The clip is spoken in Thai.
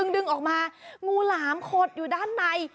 ดึงออกมางูหลามขดอยู่ด้านใน